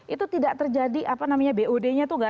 itu tidak terjadi bud nya itu tidak tahu berapa